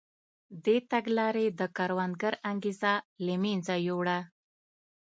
دې تګلارې د کروندګر انګېزه له منځه یووړه.